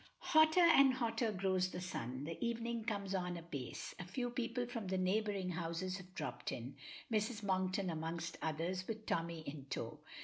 Hotter and hotter grows the sun; the evening comes on apace; a few people from the neighboring houses have dropped in; Mrs. Monkton amongst others, with Tommy in tow.